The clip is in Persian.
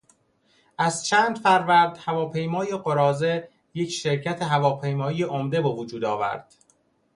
از چند فروند هواپیمای قراضه یک شرکت هواپیمایی عمده به وجود آورد.